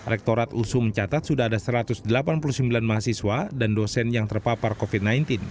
rektorat usu mencatat sudah ada satu ratus delapan puluh sembilan mahasiswa dan dosen yang terpapar covid sembilan belas